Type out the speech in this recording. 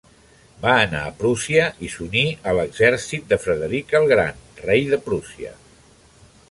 Va anar a Prússia i s'uní a l'exèrcit de Frederic el Gran, Rei de Prússia.